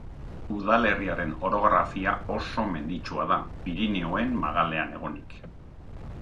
Udalerriaren orografia oso menditsua da, Pirinioen magalean egonik.